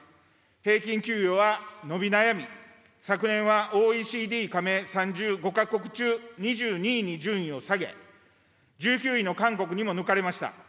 平均給与は伸び悩み、昨年はＯＥＣＤ加盟３５か国中２２位に順位を下げ、１９位の韓国にも抜かれました。